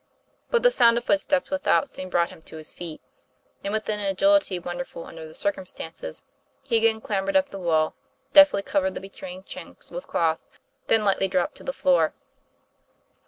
But the sound of footsteps without soon brought him to his feet; and with an agility won derful under the circumstances, he again clambered up the wall, deftly covered the betraying chinks with cloth, then lightly dropped to the floor.